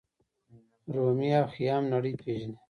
رومي او خیام نړۍ پیژني.